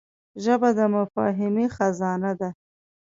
ژبه د مفاهمې خزانه ده